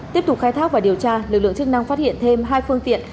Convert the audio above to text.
tiếp tục khai thác và điều tra lực lượng chức năng phát hiện thêm hai phương tiện